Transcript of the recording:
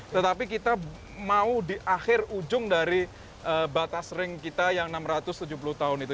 tetapi kita mau di akhir ujung dari batas ring kita yang enam ratus tujuh puluh tahun itu